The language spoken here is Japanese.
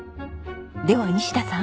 では西田さん。